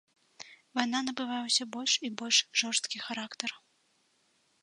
Вайна набывае ўсё больш і больш жорсткі характар.